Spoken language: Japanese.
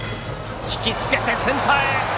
引き付けてセンターへ！